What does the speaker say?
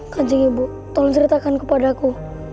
kanji ibu tolong ceritakan kepada aku